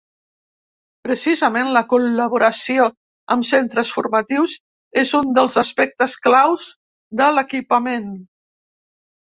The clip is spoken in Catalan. Precisament la col·laboració amb centres formatius és un dels aspectes clau de l’equipament.